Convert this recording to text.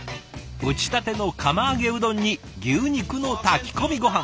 打ちたての釜揚げうどんに牛肉の炊き込みごはん。